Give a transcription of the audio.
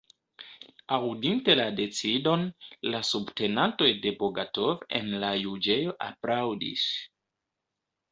Aŭdinte la decidon, la subtenantoj de Bogatov en la juĝejo aplaŭdis.